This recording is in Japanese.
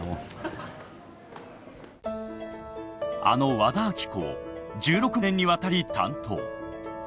あの和田アキ子を１６年にわたり担当。